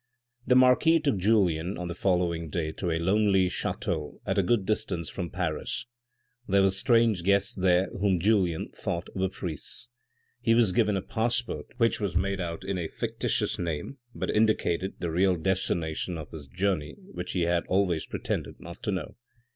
The marquis took Julien on the following day to a lonely chateau at a good distance from Paris. There were strange guests there whom Julien thought were priests. He was given a passport which was made out in a fictitious name, but indicated the real destination of his journey, which he had always pretended not to know.